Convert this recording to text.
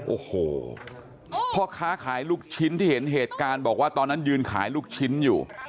โอ้โหพ่อค้าขายลูกชิ้นที่เห็นเหตุการณ์บอกว่าตอนนั้นยืนขายลูกชิ้นอยู่